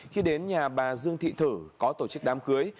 khi đến nhà bà dương thị thử có tổ chức đám cưới